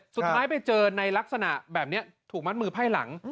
สุดท้ายไปเจอในลักษณะแบบนี้ถูกมัดมือไพ่หลัง